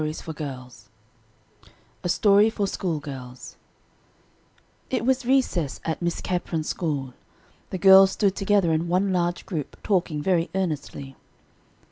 A STORY FOR SCHOOL GIRLS It was recess at Miss Capron's school. The girls stood together in one large group, talking very earnestly.